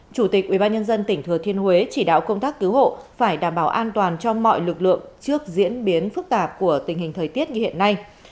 chủ tịch ubnd tỉnh thừa thiên huế chỉ đạo công tác cứu hộ phải đảm bảo an toàn cho mọi lực lượng trước diễn biến phức tạp của tình hình thời tiết như hiện nay